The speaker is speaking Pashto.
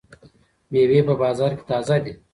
مېوې په بازار کې تازه دي.